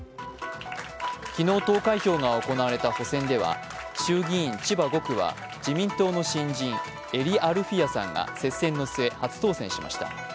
昨日投開票が行われた補選では衆議院千葉５区は自民党の新人英利アルフィヤさんが接戦の末、初当選しました。